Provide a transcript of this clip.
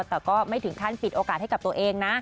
แต่ก็ไม่ถึงขั้นปิดโอกาสให้กับตัวเองนะ